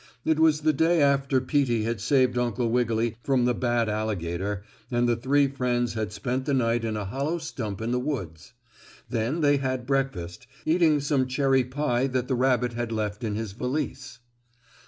It was the day after Peetie had saved Uncle Wiggily from the bad alligator, and the three friends had spent the night in a hollow stump in the woods. Then they had breakfast, eating some cherry pie that the rabbit had left in his valise.